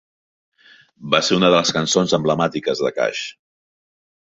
Va ser una de les cançons emblemàtiques de Cash.